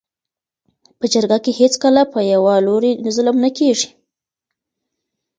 . په جرګه کي هیڅکله په یوه لوري ظلم نه کيږي.